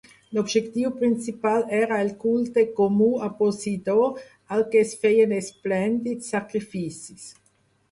L'objectiu principal era el culte comú a Posidó al que es feien esplèndids sacrificis.